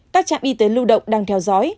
các trạm y tế lưu động đang theo dõi